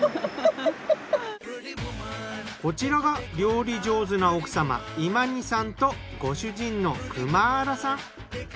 こちらが料理上手な奥様イマニさんとご主人のクマーラさん。